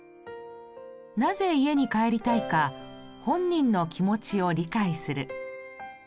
なぜ家に帰りたいか本人の気持ちを理解する。